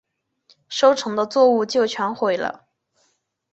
收成的作物就全毁了